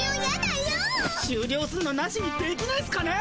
しゅうりょうすんのなしにできないっすかね。